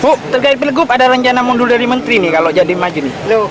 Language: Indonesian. bu terkait pelegup ada rencana mundur dari menteri nih kalau jadi maju nih